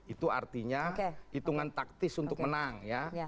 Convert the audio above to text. itu artinya hitungan taktis untuk menang ya